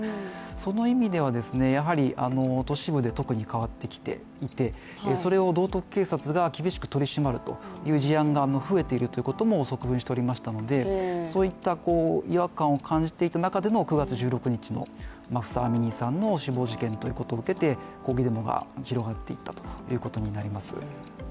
その意味では、やはり都市部で特に変わってきていて、それを道徳警察が厳しく取り締まる事案が増えていることも、側聞しておりましたので、そういった違和感を感じる中での死亡事件を受けて抗議デモが広がっていったということになりますね。